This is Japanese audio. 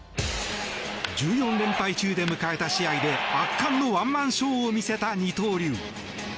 １４連敗中で迎えた試合で圧巻のワンマンショーを見せた二刀流。